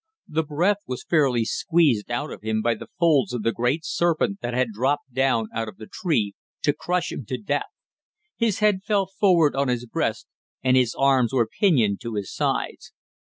The breath was fairly squeezed out of him by the folds of the great serpent that had dropped down out of the tree to crush him to death. His head fell forward on his breast, and his arms were pinioned to his sides.